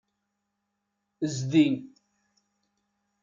Zdi.